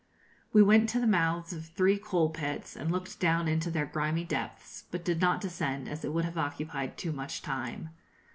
We went to the mouths of three coal pits, and looked down into their grimy depths, but did not descend, as it would have occupied too much time.